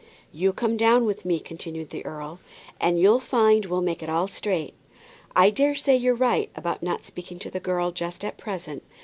"You come down with me," continued the earl, "and you'll find we'll make it all straight. I daresay you're right about not speaking to the girl just at present.